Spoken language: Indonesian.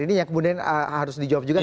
ini yang kemudian harus dijawab juga